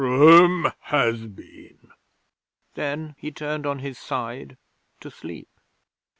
Rome has been!" Then he turned on his side to sleep.